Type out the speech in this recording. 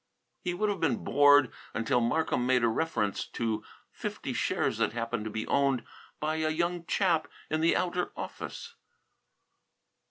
He would have been bored, until Markham made a reference to fifty shares that happened to be owned by a young chap in the outer office.